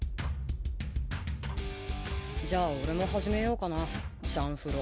じゃあ俺も始めようかな「シャンフロ」。